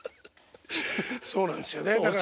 そうなんですよねだから。